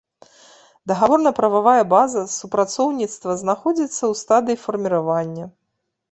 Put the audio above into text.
Дагаворна-прававая база супрацоўніцтва знаходзіцца ў стадыі фарміравання.